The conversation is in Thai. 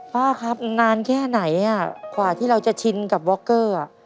ป้าครับงานแค่ไหนอ่ะขวาที่เราจะชินกับวอร์เกอร์อะ